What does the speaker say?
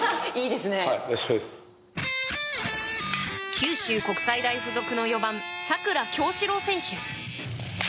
九州国際大付属の４番佐倉侠史朗選手。